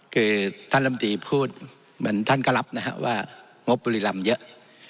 คือท่านลำตีพูดเหมือนท่านก็รับนะฮะว่างบบุรีรำเยอะ